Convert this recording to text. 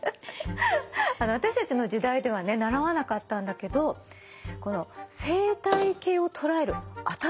あの私たちの時代ではね習わなかったんだけどこの生態系を捉える新しい考え方なの。